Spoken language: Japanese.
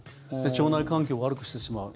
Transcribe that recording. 腸内環境を悪くしてしまう。